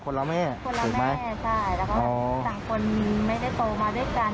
คนละแม่ใช่แล้วก็สังคนไม่ได้โตมาด้วยกัน